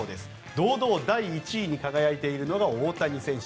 堂々第１位に輝いているのが大谷選手。